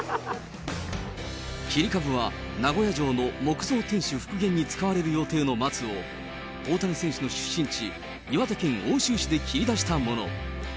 切り株は、名古屋城の木造天守復元に使われる予定の松を、大谷選手の出身地、岩手県奥州市で切り出したもの。